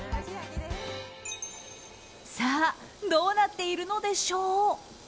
さあ、どうなっているのでしょう。